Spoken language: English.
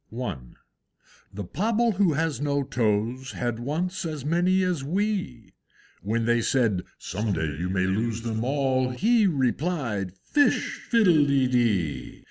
I. The Pobble who has no toes Had once as many as we; When they said, "Some day you may lose them all;" He replied, "Fish fiddle de dee!"